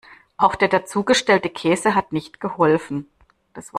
Auch der dazugestellte Käse hat nicht geholfen.